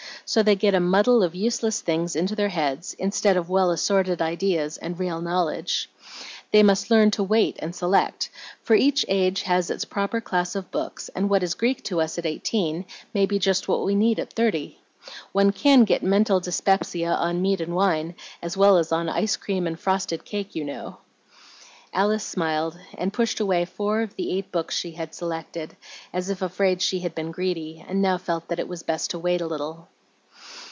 So they get a muddle of useless things into their heads, instead of well assorted ideas and real knowledge. They must learn to wait and select; for each age has its proper class of books, and what is Greek to us at eighteen may be just what we need at thirty. One can get mental dyspepsia on meat and wine as well as on ice cream and frosted cake, you know." Alice smiled, and pushed away four of the eight books she had selected, as if afraid she had been greedy, and now felt that it was best to wait a little.